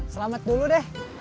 selamat dulu deh